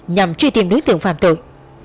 nhằm truy tìm đối tượng phạm tội